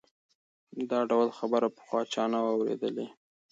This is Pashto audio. دا ډول خبره پخوا چا نه وه اورېدلې.